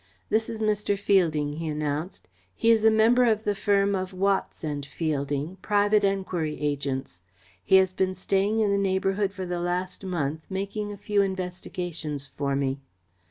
"This is Mr. Fielding," he announced. "He is a member of the firm of Watts and Fielding, private enquiry agents. He has been staying in the neighbourhood for the last month, making a few investigations for me."